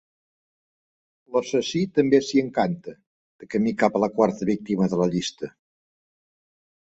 L'assassí també s'hi encanta, de camí cap a la quarta víctima de la llista.